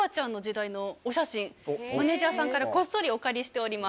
マネジャーさんからこっそりお借りしております。